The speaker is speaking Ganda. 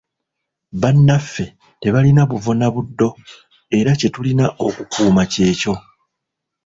Bannaffe tebalina buvo na buddo era kye tulina okukuuma kyekyo.